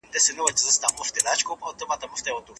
موږ د شپې خوب کولو عادتونه بدل کړي دي.